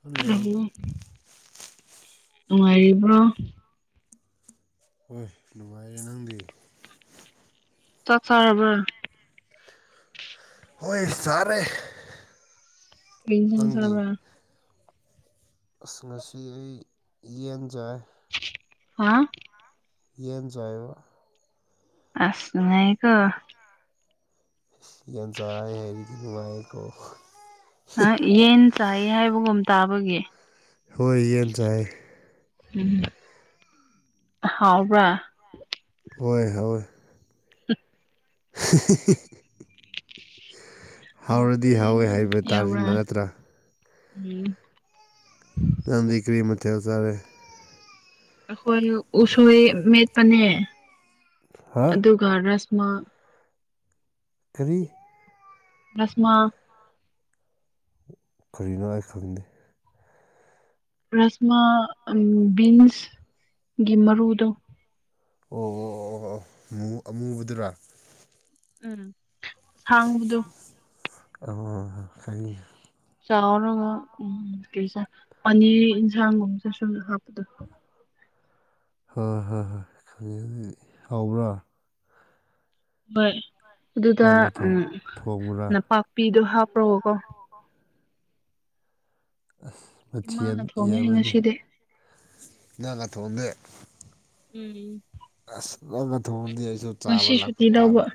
hello ꯍ ꯅꯨꯡꯉꯥꯏꯔꯤꯕ꯭ꯔꯣ ꯍꯣꯏ ꯅꯨꯡꯉꯥꯏꯔꯦ ꯅꯪꯗꯤ ꯆꯠ ꯆꯔꯕ ꯑꯣꯏꯣꯏ ꯁꯔꯦ ꯑ ꯆ ꯆꯥꯕ꯭ꯔ ꯑꯁ ꯉꯁꯤ ꯑꯩ ꯌꯦꯟꯖꯥꯏ ꯍꯥꯥ ꯌꯦꯟꯖꯕ ꯑꯁꯉꯥꯏꯀꯣ ꯌꯦꯟꯖꯑ ꯍꯥꯏꯦꯔꯤꯗꯤ ꯅꯨꯡꯃꯥꯏꯀꯣ ꯑ ꯌꯦꯟ ꯆꯥꯏ ꯍꯥꯏꯕꯒꯨꯝ ꯇꯥꯕꯒꯤ ꯍꯣꯏ ꯌꯦꯅ ꯆꯥꯏ ꯎꯝ ꯍꯥꯎꯕ꯭ꯔ ꯍꯣꯏ ꯍꯣꯏ [inaudible] ꯍꯥꯎꯇꯕ ꯍꯥꯎꯔꯗꯤ ꯍꯥꯎꯋꯦ ꯌꯦꯟꯗꯣ ꯍꯥꯏꯕ ꯌꯥꯎꯕ꯭ꯔꯥ ꯇꯥꯔꯃ ꯅꯠꯇ꯭ꯔꯥ ꯎꯝ ꯌꯥꯝꯗꯤ ꯀ꯭ꯔꯤꯃꯇꯥꯔꯦ ꯑꯩꯈꯣꯏ ꯎꯁꯣꯏ ꯃꯦꯠꯄꯅꯦ ꯍꯥ ꯑꯗꯨꯒ ꯔ [inaudible] ꯊ꯭ꯔꯤ ꯔꯁꯃ ꯀꯔꯤꯅꯣ ꯑꯩ ꯈꯪꯗꯦ ꯔꯁꯃꯥ ꯕꯤꯟꯁꯒꯤ ꯃꯔꯨꯗꯣ ꯑꯣ ꯑꯣ ꯑꯣ ꯑꯃꯨꯕꯗꯨꯔꯥ ꯎꯝ ꯁꯉꯗꯨ ꯑ ꯍꯥꯏ ꯆꯥꯎꯔꯒ ꯎ ꯀꯩꯁꯦ ꯄꯅꯤꯔ ꯌꯦꯟꯁꯥꯡꯒꯨꯝꯕꯁꯦ ꯁꯨꯝꯅ ꯍꯥꯞꯄꯗꯣ ꯍꯣꯏ ꯍꯣꯏ ꯍꯣꯏ ꯈꯪꯉꯪ ꯍꯥꯎꯕ꯭ꯔꯥ ꯍꯣꯏ ꯑꯗꯨꯗ ꯅꯪꯅ ꯎ ꯊꯣꯡ ꯊꯣꯡꯕ꯭ꯔꯥ ꯅꯄꯥꯛꯄꯤꯗꯣ ꯍꯥꯞꯄ꯭ꯔꯣꯀꯣ ꯑꯁ ꯃꯁꯤꯤ ꯏꯃꯥꯅ ꯊꯣꯡꯉꯦ ꯌꯦꯕꯗꯤ ꯉꯁꯤꯗꯤ ꯉꯅꯥꯀ ꯊꯣꯡꯗꯦ ꯎꯝ ꯑꯁ ꯉꯪꯅ ꯊꯣꯡꯗꯤ ꯑꯩꯁꯨ ꯆꯥꯕ ꯉꯁꯤ ꯂꯥꯛꯄ ꯁꯨꯇꯤ ꯂꯧꯕ ꯇꯥꯕ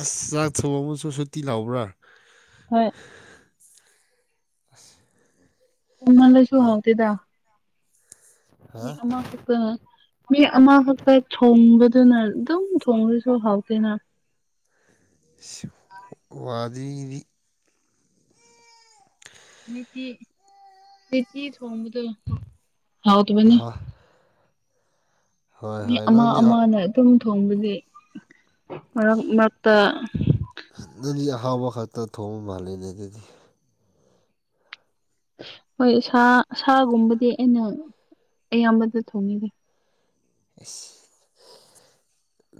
ꯑꯁ ꯆꯥꯛ ꯊꯣꯡ ꯑꯃꯁꯨ ꯁꯨꯇꯤ ꯂꯥꯎꯕ꯭ꯔꯥ ꯍꯣꯏ ꯑ ꯃꯦ ꯁꯨ ꯍꯧꯥꯎꯇꯤꯗ ꯍꯥ ꯑꯃꯄ ꯃꯤ ꯑꯃꯈꯛꯇ ꯊꯣꯡꯕꯗꯨꯅ ꯑꯗꯨꯝ ꯊꯣꯡꯕꯁꯨ ꯍꯥꯎꯇꯦꯅ ꯋꯥꯗꯤꯔꯤ ꯃ ꯃꯇ ꯍꯕꯗ ꯍꯥꯎ ꯇ ꯃꯥꯅꯤ ꯍꯣꯏ ꯍꯣꯏ ꯃꯤ ꯍꯣꯏ ꯑꯃ ꯅꯪꯗꯤ ꯑꯃꯅ ꯑꯗꯨꯝ ꯊꯣꯡꯕꯗꯤ ꯃꯔꯛ ꯃꯔꯛꯇ ꯅꯪꯗꯤ ꯑꯍꯥꯎꯕ ꯈꯛꯇ ꯊꯣꯡꯕ ꯃꯥꯂꯦꯅꯦ ꯑꯗꯨꯗꯤ ꯍꯣꯏ ꯁꯥ ꯁꯥꯒꯨꯝꯕꯗꯤ ꯑꯩꯅ ꯑꯌꯥꯝꯕꯗ ꯊꯣꯡꯉꯔꯦ [inaudible]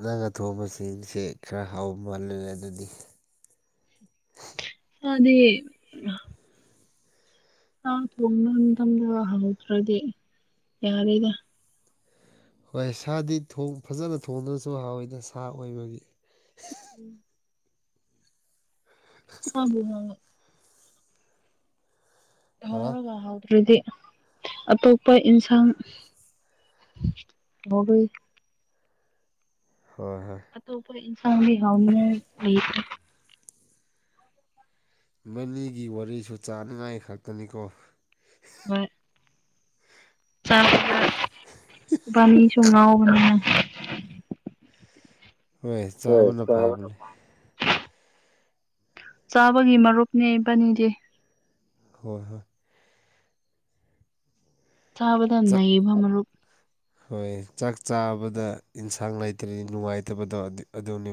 ꯅꯪꯒ ꯊꯣꯡꯕꯁꯤꯡꯁꯦ ꯈꯔ ꯍꯥꯎ ꯃꯥꯜꯂꯦ ꯑꯗꯨꯗꯤ ꯑꯗ ꯑ ꯇꯣꯡꯅ ꯇ ꯍꯥꯎꯗ꯭ꯔꯗꯤ ꯌꯥꯔꯗ ꯍꯣꯏ ꯁꯥꯗꯤ ꯐꯖꯅ ꯊꯣꯡꯗꯨꯅꯁꯨ ꯍꯥꯎꯋꯤꯅ ꯁꯥ ꯑꯣꯏꯕꯒꯤ ꯎꯝ ꯑꯕꯨ ꯊꯧ ꯍꯥ ꯋꯥ ꯍꯧꯥꯎ꯭ꯔꯗꯤ ꯑꯇꯣꯞꯄ ꯏꯟꯁꯥꯡ ꯍꯣꯏ ꯍꯣꯏ ꯑꯣꯈꯣꯏ ꯏꯟꯁꯥꯟꯒꯤ ꯍꯥꯎꯅ ꯂꯩ ꯃꯅꯤꯒꯤ ꯋꯥꯔꯤꯁꯨ ꯆꯥꯅꯤꯡꯉꯥꯏ ꯈꯛꯇꯅꯤꯀꯣ [inaudible] ꯏꯕꯥꯅꯤ ꯁꯑꯣ ꯑ ꯍꯣꯏ ꯆꯥꯕꯅ ꯐꯥꯕꯅꯦ ꯆꯥꯕꯒꯤ ꯃꯔꯨꯞꯅꯦꯕꯅꯤꯗꯤ ꯍꯣꯏ ꯍꯣꯏ ꯆꯥꯕꯗ ꯆꯥꯛ ꯅꯩꯕ ꯃꯔꯨꯞ ꯍꯣꯏ ꯆꯥꯛ ꯆꯥꯕꯗ ꯏꯟꯁꯥꯡ ꯂꯩꯇꯔꯤ ꯅꯨꯡꯉꯥꯏꯇꯕꯗꯣ ꯑꯗꯨꯝ ꯗꯤ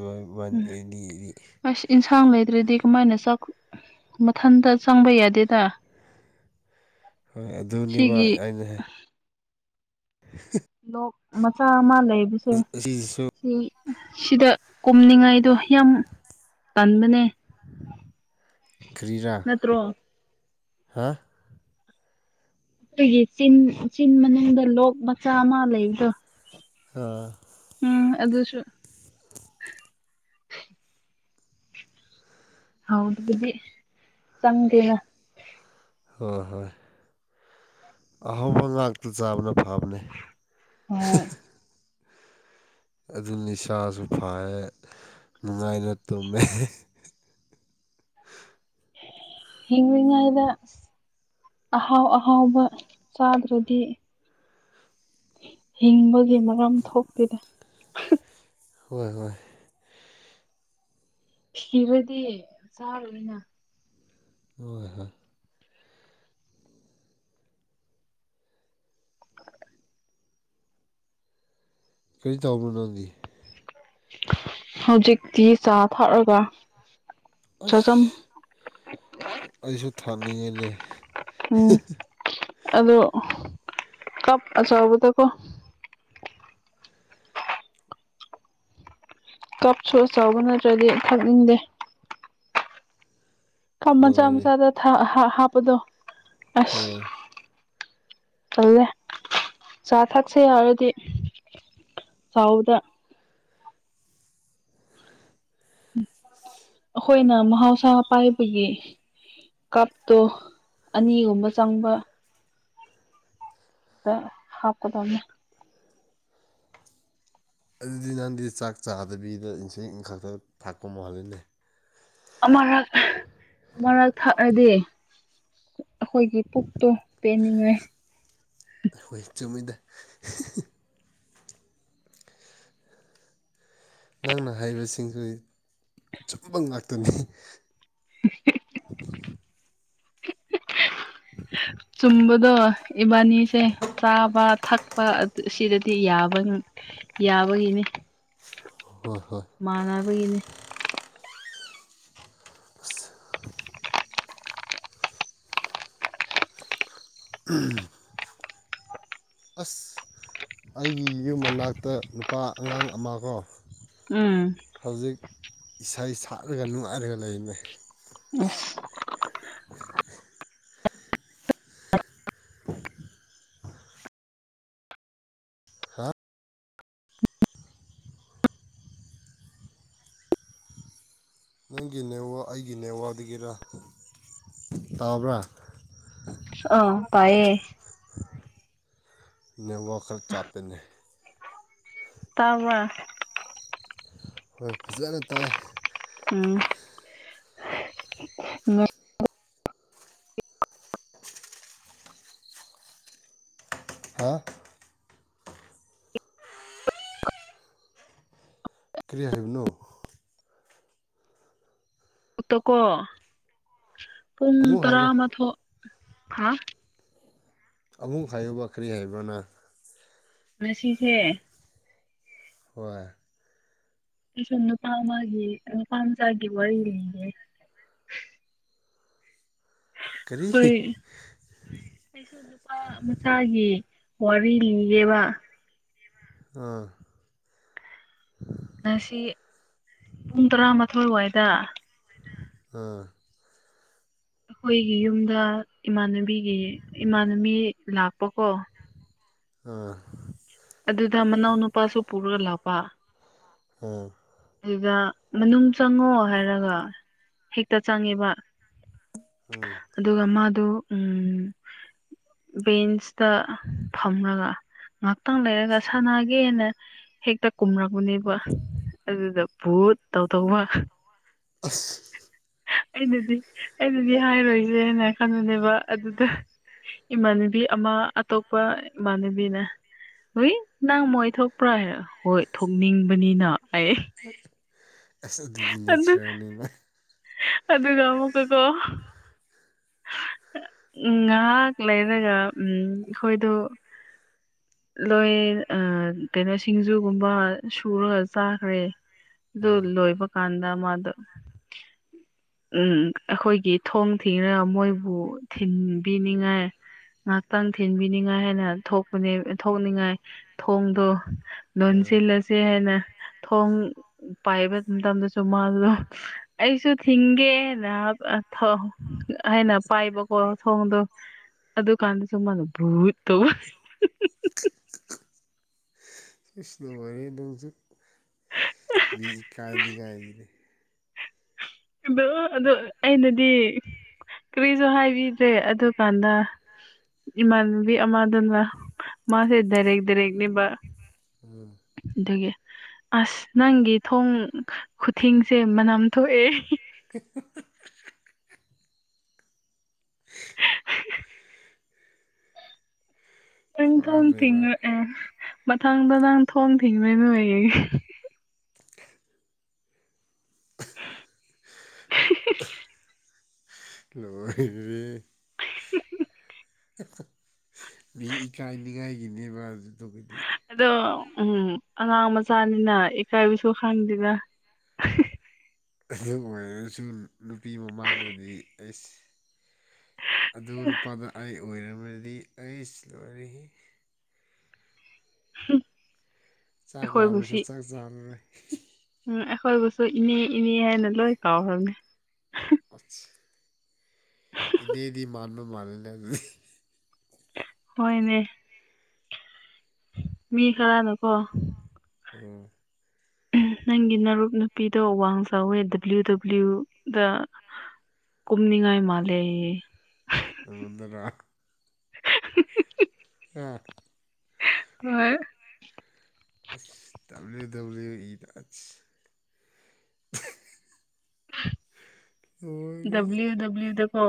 ꯍꯛꯁꯥꯡ ꯂꯩꯗ꯭ꯔꯗꯤ ꯀꯃꯥꯏꯅ ꯃꯊꯟꯇ ꯆꯪꯕ ꯌꯥꯗꯦꯗ ꯍꯣꯏ ꯑꯗꯨꯅꯦꯕ ꯁꯤꯒꯤ ꯑꯩꯅ ꯂꯣꯛ ꯃꯆꯥ ꯑꯃ ꯂꯩꯕꯁꯦ ꯑꯁꯤꯁꯤꯁꯨ ꯁꯤ ꯁꯤꯗ ꯀꯨꯝꯅꯤꯡꯉꯥꯏꯗꯣ ꯌꯥꯝ ꯇꯟꯥꯟꯕꯅꯦ ꯎ ꯅꯠꯇ꯭ꯔꯣ ꯍꯥ ꯑꯩꯈꯣꯏꯒꯤ ꯆꯤꯟ ꯆꯤꯟ ꯃꯅꯨꯡꯗ ꯂꯣꯛ ꯃꯆꯥ ꯑꯃ ꯂꯩꯕꯗꯣ ꯑꯥ ꯑꯗꯁꯨ ꯍꯥꯎ ꯑꯗꯨ ꯑꯗꯨꯗꯤ ꯆꯪꯗꯦꯅ ꯍꯣꯏ ꯍꯣꯏ ꯑꯍꯥꯎꯧꯕ ꯉꯥꯛꯇ ꯆꯥꯕꯅ ꯐꯕꯅꯦ ꯍꯣꯏ ꯑꯗꯨꯅꯅꯤꯁꯥꯁꯨ ꯐꯔꯦ ꯅꯨꯡꯉꯥꯏꯅ ꯇꯨꯝꯃꯦ ꯍꯤꯡꯃꯤ ꯉꯥꯏꯗ ꯑꯍꯥꯎ ꯑꯍꯥꯎꯕ ꯆꯥꯗ꯭ꯔꯗꯤ ꯍꯤꯡꯕꯒꯤ ꯃꯔꯝ ꯊꯣꯛꯇꯗ ꯍꯣꯏ ꯍꯣꯏ ꯊꯤꯔꯗꯤ ꯆꯥꯔꯅꯤꯅ ꯍꯣꯏ ꯍꯣꯏ ꯀꯔꯤ ꯇꯥꯎꯕ ꯅꯗꯤ ꯍꯧꯖꯤꯛꯇꯤ ꯆꯥ ꯊꯛꯑꯒ ꯆꯥꯖꯝ ꯑꯁ ꯑꯩꯁꯨ ꯊꯥꯅꯤꯡꯉꯤꯅꯦ ꯎꯝ ꯑꯗꯣ ꯀꯞ ꯑꯆꯥꯎꯕꯗꯀꯣ ꯀꯞꯁꯨꯆꯧꯕ ꯅꯠꯇ꯭ꯔꯗꯤ ꯊꯛꯅꯤꯡꯗꯦ ꯃꯆꯥ ꯂꯣꯏꯔꯦ ꯃꯆꯥꯗ ꯍꯥꯞꯄꯗꯣ ꯑꯁ ꯑꯥ ꯆꯜꯂꯦ ꯆꯥ ꯊꯛꯁꯦ ꯌꯥꯎꯔꯗꯤ ꯆꯥꯎꯗ ꯑꯩꯈꯣꯏꯅ ꯃꯍꯧꯁꯥ ꯄꯥꯏꯕꯒꯤ ꯀꯥꯞꯇꯣ ꯑꯅꯤꯒꯨꯝꯕ ꯆꯪꯕ ꯑ ꯍꯥꯞꯄꯗ ꯑꯗꯨꯗꯤ ꯅꯍꯪꯗꯤ ꯆꯥꯛ ꯆꯥꯗꯕꯤꯗ ꯏꯟꯁ ꯏꯟ ꯈꯛꯇ ꯊꯥꯛꯄ ꯃꯥꯂꯅꯦ ꯑꯃꯔꯛ ꯑꯃꯔꯛ ꯊꯥꯔꯗꯤ ꯑꯩꯈꯣꯏꯒꯤ ꯄꯨꯛꯇꯣ ꯄꯦꯟꯅꯤꯡꯉꯦ ꯍꯣꯏ [unintelligible] ꯅꯪꯅ ꯍꯥꯏꯔꯤꯕꯁꯤꯡꯁꯤ ꯁꯨꯝꯕꯝ ꯉꯥꯛꯇꯅꯤ [unintelligible] ꯆꯨꯝꯕꯗꯣ ꯏꯕꯥꯅꯤꯁꯦ ꯆꯥꯕ ꯊꯛ ꯁꯤꯗꯗꯤ ꯌꯥꯕ ꯌꯥꯕꯒꯤꯅꯤ ꯍꯣꯏ ꯍꯣꯏ ꯕꯅꯦ [unintelligible] ꯎꯝ ꯑꯁ ꯑꯩꯒꯤ ꯌꯨꯝ ꯃꯅꯥꯛꯇ ꯅꯨꯄꯥ ꯑꯉꯥꯡ ꯑꯃ ꯀꯣ ꯎꯝ ꯍꯧꯖꯤꯛ ꯏꯁꯩ ꯁꯠꯂꯒ ꯅꯨꯡꯉꯥꯏꯔꯒ ꯂꯩꯔꯤꯃꯦ ꯌꯦꯁ ꯍꯥ ꯅꯪꯒꯤ ꯅꯦꯋꯥ ꯑꯩꯒꯤ ꯅꯦꯋꯥꯗꯒꯤꯔ ꯇꯥꯕ꯭ꯔꯥ ꯑ ꯄꯌꯦꯌꯦ ꯅ ꯋꯥꯈꯔ ꯆꯥꯞꯄꯦꯅꯦ ꯇꯥꯕ ꯍꯣꯏ ꯐꯖꯅ ꯇꯥꯏ ꯎ ꯍꯥ ꯀ꯭ꯔꯤꯌꯥ ꯍꯥꯏꯕꯅꯣ ꯎꯛꯇꯀꯣ ꯄꯨꯡ ꯑꯃꯨꯛ ꯍꯥꯏꯔꯣ ꯇꯔꯥꯃꯊꯣꯛ ꯐꯂꯣ ꯑꯃꯨꯛ ꯍꯥꯏꯌꯣ ꯋꯥꯈꯔꯤ ꯍꯥꯏꯕꯅ ꯉꯁꯤꯁꯦ ꯋꯥ ꯁꯨꯅ ꯐꯥꯝꯒꯤꯦ ꯐꯥꯝꯁꯒꯤꯦ ꯋꯥꯔꯤꯦ ꯀꯔꯤ ꯍꯣꯏ ꯑꯩꯁꯨ ꯅꯨꯄꯥ ꯃꯆꯥꯒꯤ ꯋꯥꯔꯤꯒꯦꯕ ꯑꯥ ꯉꯁꯤ ꯄꯨꯡ ꯇꯔꯥꯃꯥꯊꯣꯏꯋꯥꯏꯗ ꯑꯥ ꯑꯩꯈꯣꯏꯒꯤ ꯌꯨꯝꯗ ꯏꯃꯥꯟꯅꯕꯤꯒꯤ ꯏꯃꯥꯟꯅꯕꯤ ꯂꯥꯛꯄꯀꯣ ꯑ ꯑꯗꯨꯗ ꯃꯅꯥꯎ ꯅꯨꯄꯥꯁꯨ ꯄꯨꯔꯒ ꯂꯥꯛꯕ ꯎꯝ ꯑꯗꯨꯗ ꯃꯅꯨꯡ ꯆꯪꯉꯣ ꯍꯥꯏꯔꯒ ꯍꯦꯛꯇ ꯆꯪꯉꯦꯕ ꯎꯝ ꯑꯗꯨꯒ ꯃꯥꯗꯨ ꯎꯝ ꯕꯦꯟꯁꯇ ꯐꯝꯂꯒ ꯉꯍꯥꯛꯇꯪ ꯂꯩꯔꯒ ꯁꯥꯟꯅꯒꯦꯅ ꯍꯦꯛꯇ ꯀꯨꯝꯔꯕꯅꯦꯕ ꯑꯗꯨꯗ ꯠ ꯇꯧ ꯇꯧꯕ ꯑ ꯑꯩꯅꯗꯤ ꯑꯩꯅꯗꯤ ꯍꯥꯏꯔꯣꯏꯁꯦꯅ ꯈꯟꯂꯅꯦꯕ ꯑꯗꯨꯗ ꯏꯃꯥꯟꯅꯕꯤ ꯑꯃ ꯑꯇꯣꯞꯄ ꯏꯃꯥꯟꯅꯕꯤꯅ ꯍꯏ ꯅꯪ ꯃꯣꯏ ꯊꯣꯛꯄ꯭ꯔꯥ ꯍꯥꯏꯔ ꯍꯣꯏ ꯊꯣꯛꯅꯤꯡꯕꯅꯤꯅ ꯑꯩ ꯐ ꯑꯗꯨꯗꯤꯅꯦ ꯑꯗꯨ ꯆ꯭ꯔꯅꯤꯅ ꯑꯗꯨꯒ ꯑꯃꯨꯀꯀꯣ ꯉꯥꯏꯍꯥꯛ ꯂꯩꯔꯒ ꯎꯝ ꯑꯩꯈꯣꯏꯗ ꯂꯣꯏ ꯀꯩꯅꯣ ꯁꯤꯡꯖꯨꯒꯨꯝꯕ ꯁꯨꯔꯒ ꯆꯥꯈ꯭ꯔꯦ ꯑꯥ ꯑꯗꯨꯗꯨ ꯂꯣꯣꯏ ꯄꯀꯥꯟꯗ ꯃꯥ ꯑꯗꯨ ꯎꯝ ꯑꯩꯈꯣꯏꯒꯤ ꯊꯣꯡ ꯊꯤꯔꯒ ꯃꯣꯏꯕꯨ ꯊꯤꯟꯕꯤꯅꯤꯡꯉꯥꯏ ꯉꯥꯏꯍꯥꯛꯇꯪ ꯊꯤꯟꯕꯤꯅꯤꯡꯉꯥꯏ ꯍꯥꯏꯅ ꯊꯣꯛꯄꯅꯦ ꯊꯣꯛꯅꯤꯡꯉꯥꯏ ꯊꯣꯡꯗꯣ ꯑꯥ ꯁꯤꯜꯂꯁꯦ ꯍꯥꯏꯅ ꯊꯣꯡ ꯂꯣꯟꯁꯤ ꯂꯁꯤ ꯍꯥꯏꯅ ꯊꯣꯡ ꯄꯥꯏꯕ ꯃꯇꯝꯗꯁꯨ ꯃꯥꯗꯣ ꯑꯩꯁꯨ ꯍꯒꯦ ꯅ ꯑꯊꯣ ꯍꯥꯏꯅ ꯄꯥꯏꯕꯀꯣ ꯊꯣꯡꯗꯣ ꯑꯗꯨꯀꯥꯟꯗꯁꯨ ꯃꯥꯅ ꯚꯨꯠ ꯇꯨ ꯁꯤ ꯁꯤꯅꯥ ꯅꯪꯁꯨ ꯃꯤ ꯏꯀꯥꯏꯅꯤ ꯀꯥꯏꯗꯅꯤ ꯑ ꯑꯗꯨ ꯑꯩꯅꯗꯤ ꯀꯔꯤꯁꯨ ꯍꯥꯏꯕꯤꯗ꯭ꯔꯦ ꯑꯗꯨꯀꯥꯟꯗ ꯏꯃꯥꯟꯅꯕꯤ ꯑꯃꯗꯨꯅ ꯃꯥꯁꯦ ꯗꯥꯏꯔꯦꯛ ꯗꯥꯔꯦꯛꯅꯦꯕ ꯎꯝ ꯑꯗꯨꯒꯤ ꯑꯁ ꯅꯪꯒꯤ ꯊꯣꯡ ꯈꯨꯊꯤꯡꯁꯦ ꯃꯅꯝ ꯊꯣꯛꯑꯦ [inaudible] ꯀꯗ ꯄꯨꯔꯥ ꯑꯣꯟ ꯕꯦꯔꯥ ꯊꯉ ꯑ ꯃꯊꯪꯗ ꯅꯪ ꯊꯣꯡ ꯊꯤꯡꯉꯣꯏ ꯅ ꯑꯩ ꯂꯣꯏꯌꯦ [inaudible] ꯃꯤ ꯏꯀꯥꯏꯅꯤꯡꯉꯥꯏꯒꯤꯅꯦꯕ ꯑꯗꯨꯗꯨꯒꯗꯤ ꯑꯗꯣ ꯎꯝ ꯑꯉꯥꯡ ꯃꯆꯥꯅꯤꯅ ꯏꯀꯥꯏꯕꯁꯨ ꯈꯪꯗꯦꯅ ꯑꯗꯨ ꯑꯣꯏꯔꯒꯁꯨ ꯅꯨꯄꯤ ꯃꯃꯥꯡꯗꯗꯤ ꯑꯩ ꯑꯗꯨ ꯂꯨꯄꯥꯗ ꯑꯩ ꯑꯣꯏꯝꯔꯕꯗꯤ ꯑꯩ ꯂꯣꯏꯔꯤ ꯎꯝ ꯆꯥꯛ ꯂꯥꯕꯁꯨ ꯆꯥꯛ ꯆꯥꯅꯔꯦ ꯎꯝ ꯑꯦꯈꯣꯏ ꯁꯁꯨ ꯏꯅꯦ ꯏꯅꯦ ꯍꯥꯏꯦꯅ ꯂꯣꯏ ꯀꯥꯎꯥꯎ ꯍꯃꯦ ꯑ ꯏꯅꯦꯗꯤ ꯃꯥꯟꯕꯕ ꯃꯥꯥꯟꯅꯦ ꯑꯗꯨ ꯍꯣꯏꯅꯦ ꯃꯤ ꯈꯔꯅꯀꯣ ꯎꯝ ꯅꯪꯒꯤ ꯅꯨꯞ ꯅꯨꯄꯤꯗꯣ ꯑꯋꯥꯡ ꯆꯥꯎꯋꯦ ꯗꯕ꯭ꯂꯤꯎ ꯗꯕ꯭ꯂꯤꯎ ꯗ ꯀꯨꯨꯝꯅꯤꯉꯥꯏ ꯃꯥꯜꯦ ꯑꯗꯨꯗ [unintelligible] ꯑ ꯍꯣꯢ ꯇꯜꯗꯤ ꯇꯜꯂꯤ ꯗꯕꯂꯤꯎ ꯗꯕꯂꯤꯎꯗꯀꯣ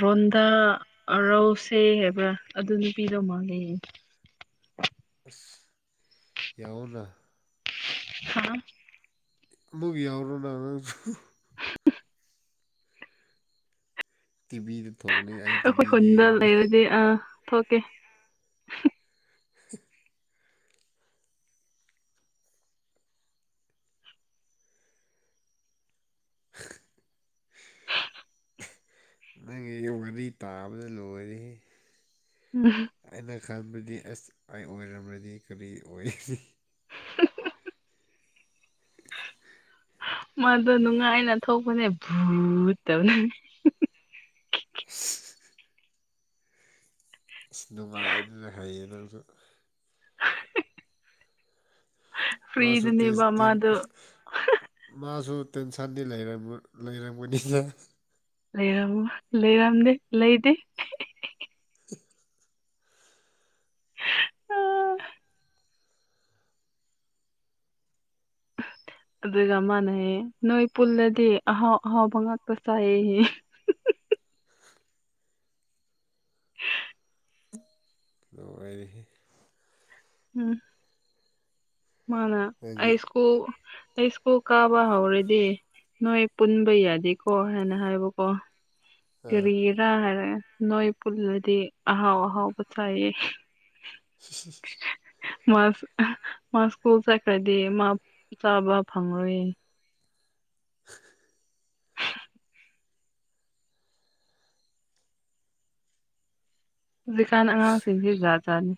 ꯔꯣꯟꯗꯥ ꯔꯧꯁꯦ ꯍꯥꯏꯕ꯭ꯔꯥ ꯑꯗꯨ ꯅꯨꯄꯤꯗꯣ ꯃꯥꯂꯦꯌꯦ [inaudible] ꯌꯥꯎꯅ ꯍꯥꯥ ꯃꯨꯚꯤꯌꯥ ꯔꯣꯗꯥꯅ ꯇꯤꯚꯤ ꯑꯩꯈꯣꯏ ꯈꯨꯟꯗ ꯂꯩꯔꯗꯤ ꯑꯥ ꯊꯣꯛꯀꯦ ꯅꯪꯒꯤ ꯋꯥꯔꯤ ꯇꯥꯕꯗ ꯂꯣꯏꯔꯤ [unintelligible] ꯈꯥꯟꯕꯗꯤ ꯑꯁ ꯑꯩ ꯑꯣꯏꯔꯝꯗꯤ ꯀꯔꯤ ꯑꯣꯏ [unintelligible] [unintelligible] ꯃꯥꯗꯣ ꯅꯨꯡꯉꯥꯏꯅ ꯊꯣꯛꯄꯅꯦ ꯚꯨꯠꯇꯧꯅꯤ ꯑ ꯅꯨꯡꯉꯥꯏꯗꯨꯅ ꯍꯩꯌꯦ ꯅꯪꯁꯨ ꯃꯥꯁꯨ ꯇꯩꯁ ꯐ꯭ꯔꯤꯗꯅꯦꯕ ꯇ ꯃꯥꯗꯣ ꯃꯥꯁꯨ ꯇꯦꯟꯁꯟꯗꯤ ꯂꯩꯔ ꯂꯩꯔꯝꯒꯅꯤꯅ ꯂꯩꯔ ꯂꯩꯔꯝꯗꯦ ꯂꯩꯗꯤꯦ [inaudible] ꯑꯥ ꯑ ꯑꯗꯨꯒ ꯃꯥꯥꯟꯅꯩꯌꯦ ꯅꯣꯏ ꯄꯨꯜꯂꯗꯤ ꯑꯍꯥꯎ ꯑꯍꯥꯎꯕ ꯉꯥꯛꯇ ꯆꯥꯏꯌꯦꯍ ꯍ ꯂ ꯑꯣꯏꯔꯤ ꯎꯝ ꯅꯪꯒꯤ ꯃꯥꯅꯁ ꯀꯌꯨꯁ ꯀꯨ ꯀꯥꯕ ꯍꯧꯔꯗꯤ ꯅꯣꯏ ꯄꯨꯟꯕ ꯌꯥꯗꯦꯀꯣ ꯍꯥꯏꯅ ꯍꯥꯏꯕꯀꯣ ꯑꯥ ꯀꯔꯤꯔꯥ ꯍꯥꯏꯔꯦ ꯅꯣꯏ ꯄꯨꯜꯂꯗꯤ ꯑꯍꯥꯎ ꯑꯍꯥꯎꯕ ꯆꯥꯏꯌꯦ [unintelligible] ꯃꯥ ꯃꯥ ꯁ꯭ꯀꯨꯜ ꯆꯠꯈ꯭ꯔꯗꯤ ꯃꯥ ꯆꯥꯕ ꯐꯪꯂꯪꯂꯨꯌꯦ ꯍꯧꯖꯤꯛꯀꯥꯟ ꯑꯉꯥꯡꯁꯤꯡꯁꯤ ꯖꯥꯠꯖꯥꯠꯅꯤ